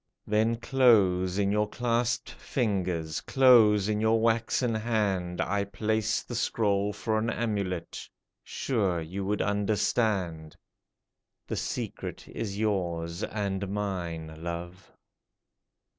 Then close in your clasped fingers, Close in your waxen hand, I placed the scroll for an amulet, Sure you would understand ! The secret is yours and mine, love